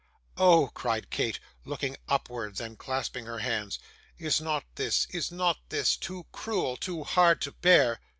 'Oh!' cried Kate, looking upwards and clasping her hands; 'is not this, is not this, too cruel, too hard to bear!